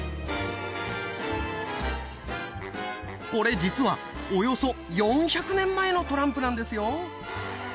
これ実はおよそ４００年前のトランプなんですよ。